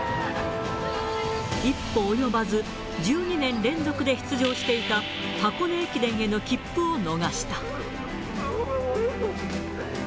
一歩及ばず、１２年連続で出場していた箱根駅伝への切符を逃した。